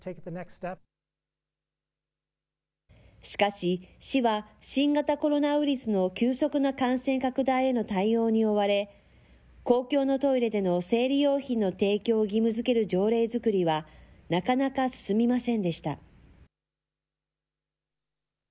しかし、市は、新型コロナウイルスの急速な感染拡大への対応に追われ、公共のトイレでの生理用品の提供を義務づける条例作りはなかなか進みませんでした。